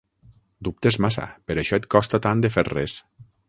Dubtes massa: per això et costa tant de fer res!